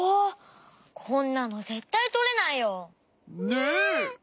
こんなのぜったいとれないよ！